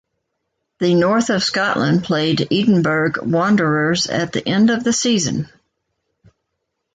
The North of Scotland played Edinburgh Wanderers at the end of the season.